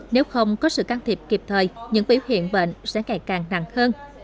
nếu không có sự can thiệp kịp thời những biểu hiện bệnh sẽ ngày càng nặng hơn